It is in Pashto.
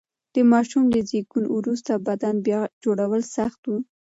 د ماشوم له زېږون وروسته بدن بیا جوړول سخت و.